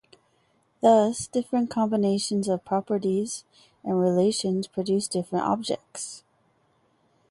Thus, different combinations of properties and relations produce different objects.